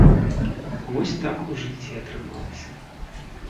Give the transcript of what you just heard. Вось так у жыцці атрымалася.